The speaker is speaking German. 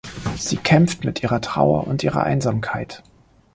Sie kämpft mit ihrer Trauer und ihrer Einsamkeit.